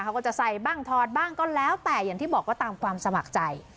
เขาก็จะใส่บ้างถอดบ้างก็แล้วแต่อย่างที่บอกว่าตามความสมัครใจ